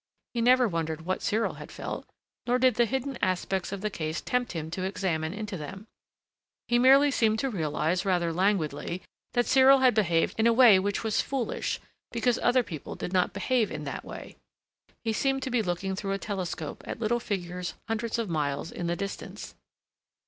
He never wondered what Cyril had felt, nor did the hidden aspects of the case tempt him to examine into them. He merely seemed to realize, rather languidly, that Cyril had behaved in a way which was foolish, because other people did not behave in that way. He seemed to be looking through a telescope at little figures hundreds of miles in the distance.